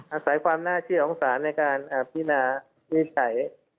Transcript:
อาศัยความน่าเชื่อของศาลในการพินาวินิจฉัย